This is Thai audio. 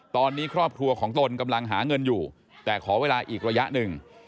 ตอนนี้ครอบครัวของตนกำลังหาเงินอยู่แต่ขอเวลาอีกระยะหนึ่ง